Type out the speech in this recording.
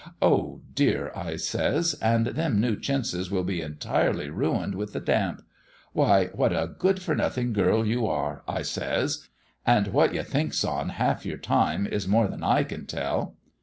'Oh dear,' I says, 'and them new chintzes will be entirely ruined with the damp. Why, what a good for nothing girl you are!' I says, 'and what you thinks on half your time is more than I can tell.'